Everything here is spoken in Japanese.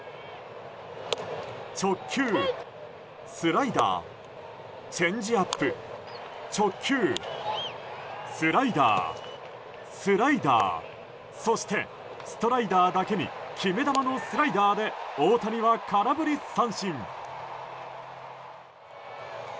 直球、スライダーチェンジアップ、直球スライダー、スライダーそして、ストライダーだけに決め球のスライダーで大谷は空振り三振。